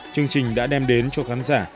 chương trình đã đem đến cho khán giả